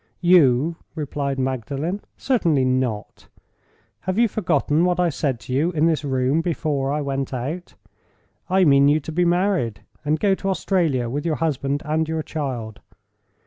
"You?" replied Magdalen. "Certainly not! Have you forgotten what I said to you in this room before I went out? I mean you to be married, and go to Australia with your husband and your child.